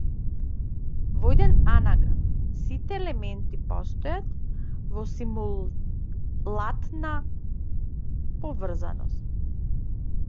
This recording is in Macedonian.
Во еден анаграм сите елементи постојат во симултана поврзаност.